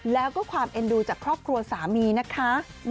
แล้วก็ความเอ็นดูจากครอบครัวสามีนะคะ